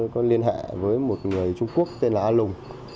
có liên hệ với một người trung quốc tên là a lùng